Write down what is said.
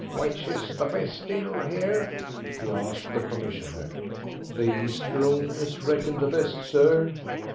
"Which is the best dinner here?" he asked the commissionaire. "The East Room is reckoned the best, sir."